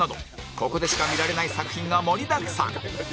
ここでしか見られない作品が盛りだくさん